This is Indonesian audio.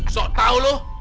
sok tau lo